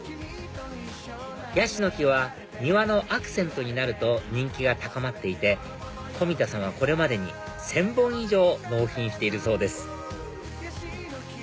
ヤシの木は庭のアクセントになると人気が高まっていて富田さんはこれまでに１０００本以上納品しているそうです